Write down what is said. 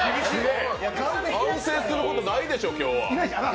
反省することないでしょ今日は。